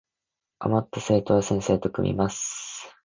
あまった生徒は先生と組みます